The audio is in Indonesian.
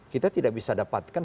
kita tidak bisa dapatkan